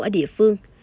ở địa phương